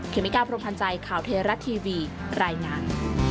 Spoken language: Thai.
เมกาพรมพันธ์ใจข่าวเทราะทีวีรายงาน